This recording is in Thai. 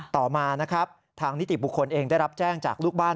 ต่อมานะครับทางนิติบุคคลเองได้รับแจ้งจากลูกบ้าน